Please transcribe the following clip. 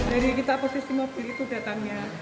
dari kita posisi mobil itu datangnya